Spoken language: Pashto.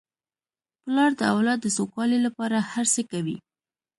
پلار د اولاد د سوکالۍ لپاره هر څه کوي.